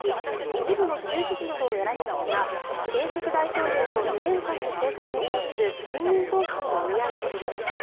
一部の州知事などを選びますが現職大統領の２年間の政策に対する信任投票の意味合いがあります。